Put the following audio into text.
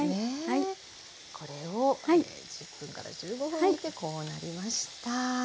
これを１０分から１５分煮てこうなりました。